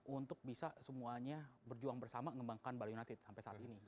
untuk bisa semuanya berjuang bersama mengembangkan bali united sampai saat ini